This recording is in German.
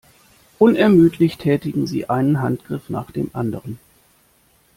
Unermüdlich tätigen sie einen Handgriff nach dem anderen.